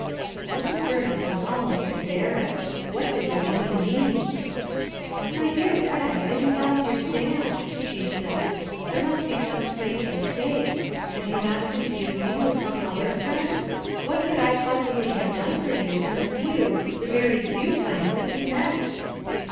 1 Mrs. Burnham was almost embarrassed. What did the woman mean I "My dear friend, I do not understand/' she said. "There must be some strange mistake Have you not confused mc with some other friend? What could I possibly have done for you in the few^ the very few times that we met?"